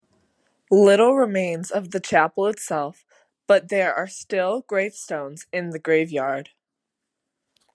Little remains of the chapel itself but there are still gravestones in the graveyard.